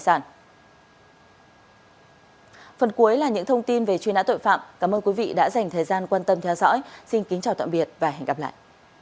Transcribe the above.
xin kính chào tạm biệt và hẹn gặp lại